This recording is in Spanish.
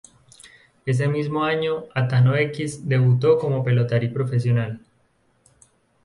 Ese mismo año, "Atano X" debutó como pelotari profesional.